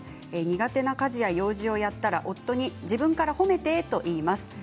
苦手な家事や用事をやったら夫に自分から褒めてと言います。